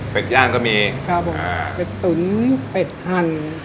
เป็นย่างก็มีครับผมอ่าเป็ดตุ๋นเป็ดหั่น